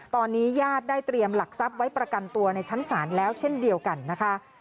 ตอนนี้ญาติได้เตรียมหลักทรัพย์ไว้ประกันตัวในชั้นศาลแล้วเช่นเดียวกันนะคะ